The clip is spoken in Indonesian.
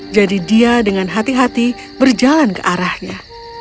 jadi dia dengan hati hati berjalan ke arahnya